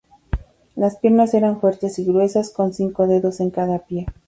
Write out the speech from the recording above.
Las piernas eran fuertes y gruesas con cinco dedos en cada pie.